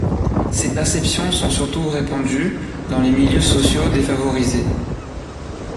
Ces perceptions sont surtout répandues dans les milieux sociaux défavorisés.